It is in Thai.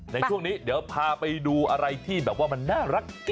ในช่วงนี้เดี๋ยวพาไปดูอะไรที่แบบว่ามันน่ารัก